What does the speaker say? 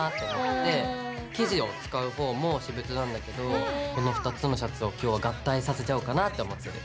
生地を使う方も私物なんだけどこの２つのシャツを今日は合体させちゃおうかなって思ってる。